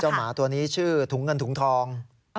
หมาตัวนี้ชื่อถุงเงินถุงทอง